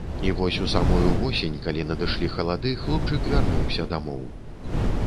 І вось у самую восень, калі надышлі халады, хлопчык вярнуўся дамоў.